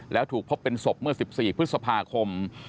แล้วถูกพบเป็นศพเมื่อ๑๔พฤษภาคม